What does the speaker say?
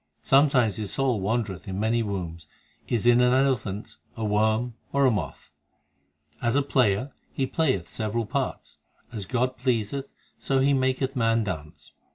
Sometimes his soul wandereth in many wombs Is in an elephant, a worm, or a moth. As a player he playeth several parts ; As God please th so He maketh man dance.